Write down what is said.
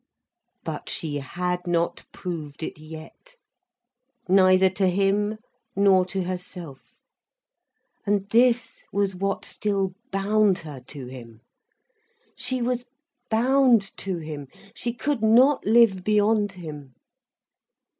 But she had not proved it yet, neither to him nor to herself. And this was what still bound her to him. She was bound to him, she could not live beyond him.